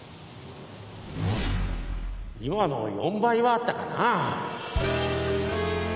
今の４倍はあったかなぁ。